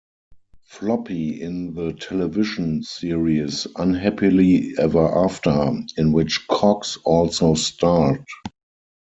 Floppy in the television series "Unhappily Ever After" in which Cox also starred.